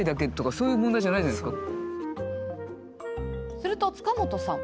すると塚本さん